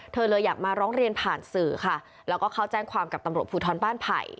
เธอเลยอยากมาร้องเรียนผ่านสื่อค่ะแล้วก็เข้าแจ้งความกับตำรวจภูทรบ้านไผ่